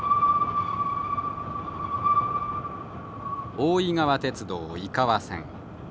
大井川鐵道井川線。